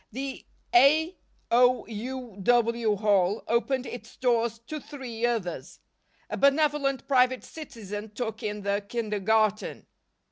The A. O. U. W. Hall opened its doors to three others. A benevolent private citizen took in the kindergarten.